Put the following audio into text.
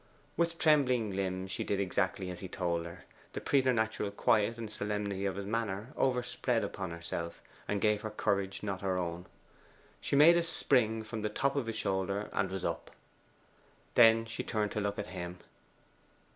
With trembling limbs she did exactly as he told her. The preternatural quiet and solemnity of his manner overspread upon herself, and gave her a courage not her own. She made a spring from the top of his shoulder, and was up. Then she turned to look at him.